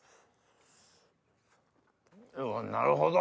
なるほど！